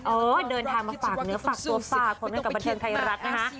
โอ้เดินทางมาฝากเนื้อฝากตัวป้าคนเนื่องกับประเทศไทยรักนะคะ